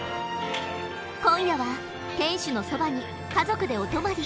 今夜は天守のそばに家族でお泊まり。